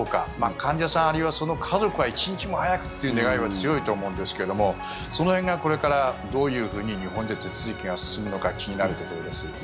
患者さん、あるいはその家族は一日も早くという願いは強いと思うんですけどもその辺がこれからどういうふうに日本で手続きが進むのか気になるところです。